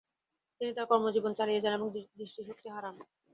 তিনি তার কর্মজীবন চালিয়ে যান এবং দৃষ্টিশক্তি হারান।